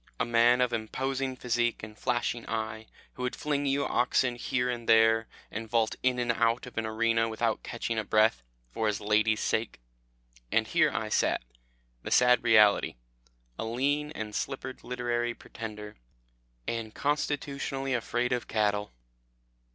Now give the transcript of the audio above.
A man of imposing physique and flashing eye, who would fling you oxen here and there, and vault in and out of an arena without catching a breath, for his lady's sake and here I sat, the sad reality, a lean and slippered literary pretender, and constitutionally afraid of cattle.